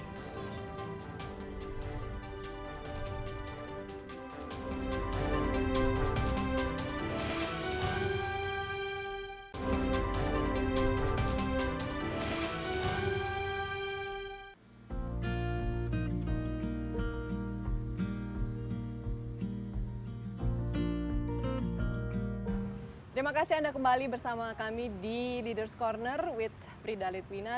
terima kasih anda kembali bersama kami di leaders' corner with frida litwina